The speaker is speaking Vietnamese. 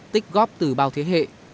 tích góp từ bao thế hệ